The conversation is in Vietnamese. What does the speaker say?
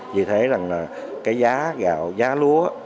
vì thế rằng cái giá gạo giá lúa